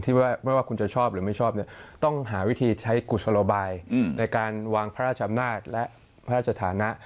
ว่าไม่ว่าคุณจะชอบหรือไม่ชอบเนี่ยต้องหาวิธีใช้กุศโลบายในการวางพระราชอำนาจและพระราชฐานะ